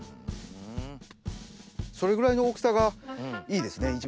それぐらいの大きさがいいですね。